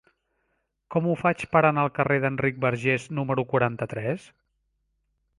Com ho faig per anar al carrer d'Enric Bargés número quaranta-tres?